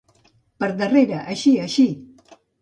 Per darrere, així, així.